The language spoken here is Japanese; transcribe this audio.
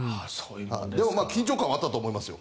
でも、緊張感はあったと思いますよ。